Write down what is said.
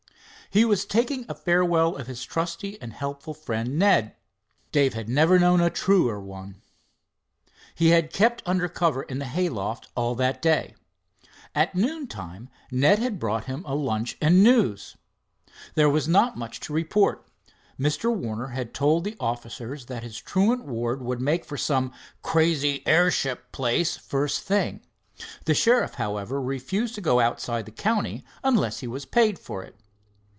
He was taking a farewell of his trusty and helpful friend, Ned. Dave had never known a truer one. He had kept under cover in the hayloft all that day. At noon time Ned had brought him a lunch and news. There was not much to report. Mr. Warner had told the officers that his truant ward would make for some "crazy airship place," first thing. The sheriff, however, refused to go outside the county, unless he was paid for it.